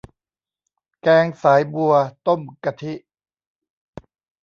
แกงสายบัวต้มกะทิ